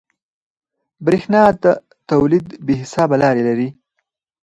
برېښنا د تولید بې حسابه لارې لري.